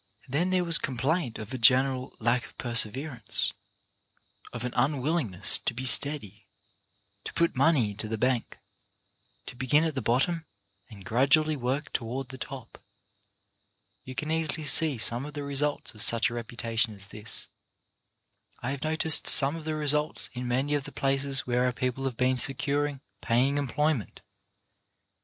Then there was complaint of a general lack of perseverance, of an unwillingness to be steady, to put money into the bank, to begin at the bottom and gradually work toward the top. You can io6 CHARACTER BUILDING easily see some of the results of such a reputation as this. I have noticed some of the results in many of the places where our people have been securing paying employment.